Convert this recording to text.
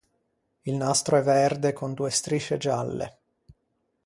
Il nastro è verde con due strisce gialle.